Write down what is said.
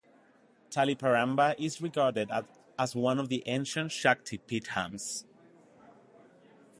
Taliparamba is regarded as one of the ancient "Shakti Peethams".